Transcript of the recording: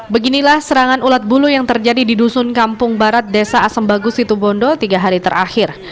beginilah serangan ulat bulu yang terjadi di dusun kampung barat desa asem bagus situbondo tiga hari terakhir